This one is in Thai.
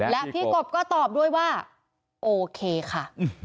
และพี่กบก็ตอบด้วยว่าโอเคค่ะ